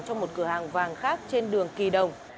trong một cửa hàng vàng khác trên đường kỳ đồng